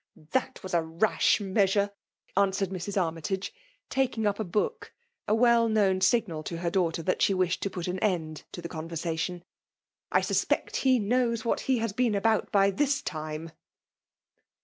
.'* Thai was a rash measure V* aaswered Mis. Armytage, talcing up a hook; a well known signal to her daughter that she wished to yai aa end to the conversation. ''I suspect he knows what he has been about, by this time."